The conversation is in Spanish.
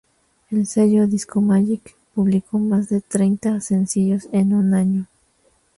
El sello "Disco Magic" publicó más de treinta sencillos en un año.